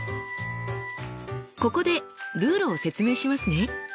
ここでルールを説明しますね。